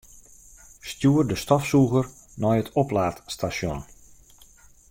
Stjoer de stofsûger nei it oplaadstasjon.